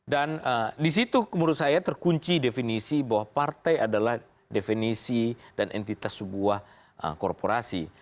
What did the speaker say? dan di situ menurut saya terkunci definisi bahwa partai adalah definisi dan entitas sebuah korporasi